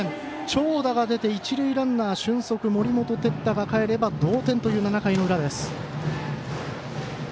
長打が出て一塁ランナー俊足、森本哲太がかえれば同点という７回裏。